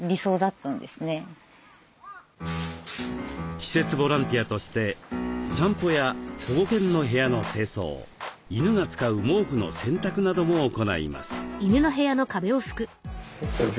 施設ボランティアとして散歩や保護犬の部屋の清掃犬が使う毛布の洗濯なども行います。